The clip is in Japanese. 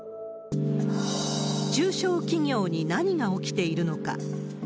中小企業に何が起きているのか。